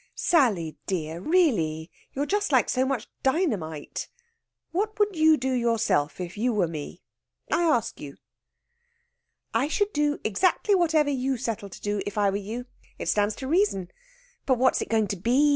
"Sally dear! Really you're just like so much dynamite. What would you do yourself if you were me? I ask you." "I should do exactly whatever you settle to do if I were you. It stands to reason. But what's it going to be?